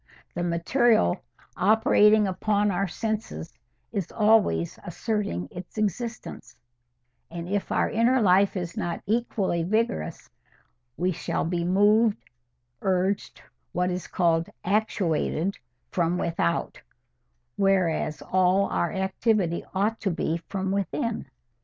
The material, operating upon our senses, is always asserting its existence; and if our inner life is not equally vigorous, we shall be moved, urged, what is called actuated, from without, whereas all our activity ought to be from within.